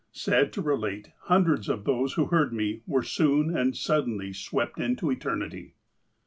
Sad to relate, hundreds of those who heard me were soon and suddenly swept into eternity."